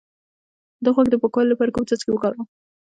د غوږ د پاکوالي لپاره کوم څاڅکي وکاروم؟